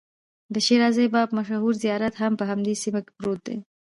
د شیرازي بابا مشهور زیارت هم په همدې سیمه کې پروت دی.